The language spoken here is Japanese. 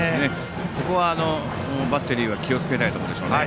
ここはバッテリーは気をつけたいところでしょうね。